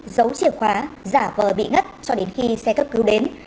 giấu chìa khóa giả vờ bị ngất cho đến khi xe cấp cứu đến